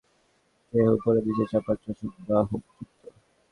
Platyhelminthes পর্বের প্রাণীদের দেহ উপরে-নিচে চাপা, চোষক বা হুক যুক্ত।